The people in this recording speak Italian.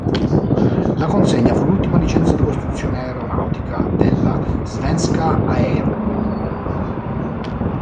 La consegna fu l'ultima licenza di costruzione aeronautica della Svenska Aero.